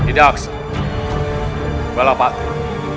tidak kepala pager